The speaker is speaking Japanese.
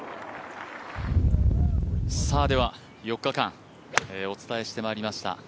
４日間お伝えしてまいりました